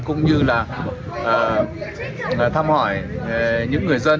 cùng như là thăm hỏi những người dân